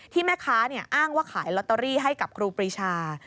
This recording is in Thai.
แม่ค้าอ้างว่าขายลอตเตอรี่ให้กับครูปรีชา